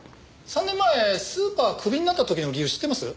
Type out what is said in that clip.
３年前スーパークビになった時の理由知ってます？